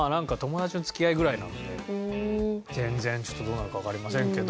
全然ちょっとどうなるかわかりませんけど。